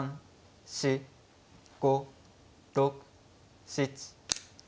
４５６７８。